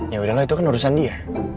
yaudah lo itu kan urusan dia